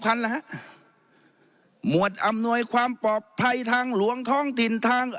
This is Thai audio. ฮะหมวดอำนวยความปลอดภัยทางหลวงท้องถิ่นทาง